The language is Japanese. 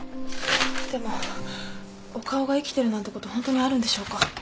でも岡尾が生きてるなんてことホントにあるんでしょうか？